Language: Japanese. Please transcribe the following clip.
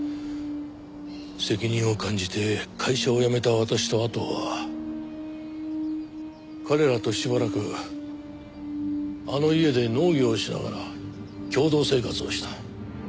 責任を感じて会社を辞めた私と阿藤は彼らとしばらくあの家で農業をしながら共同生活をした。